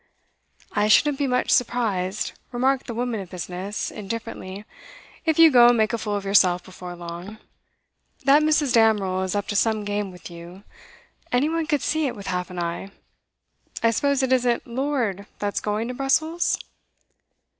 'I shouldn't be much surprised,' remarked the woman of business, indifferently, 'if you go and make a fool of yourself before long. That Mrs. Damerel is up to some game with you; any one could see it with half an eye. I suppose it isn't Lord that's going to Brussels?